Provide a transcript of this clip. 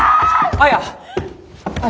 綾。